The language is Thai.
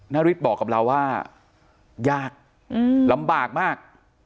นาริสบอกกับเราว่ายากลำบากมาก